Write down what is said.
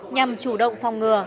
nhằm chủ động phòng ngừa